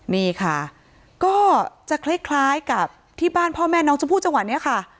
นี่ค่ะก็จะคล้ายกับที่บ้านพ่อแม่น้องชมพู่จังหวะนี้ค่ะ